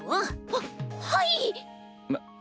ははい！